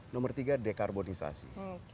nomor tiga dekarbonisasi